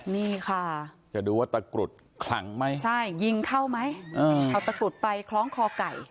นี่ค่ะจะดูว่าตะกรุดขลังไหมใช่ยิงเข้าไหมเอาตะกรุดไปคล้องคอไก่